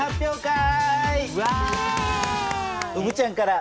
うぶちゃんから。